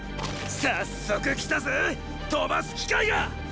早速来たぜ飛ばす機会が！！